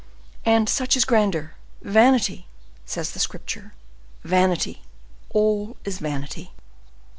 And such is grandeur! 'Vanity!' says the Scripture: vanity, all is vanity.